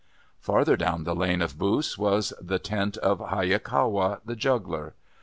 Farther down the lane of booths was the tent of Hayakawa the Juggler.